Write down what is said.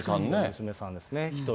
娘さんですね、１人。